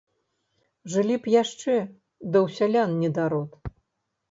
Жылі б яшчэ, ды ў сялян недарод.